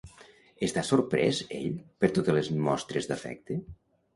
Està sorprès ell per totes les mostres d'afecte?